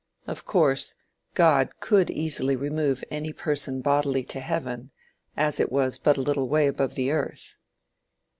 Of course, God could easily remove any person bodily to heaven, as it was but a little way above the earth.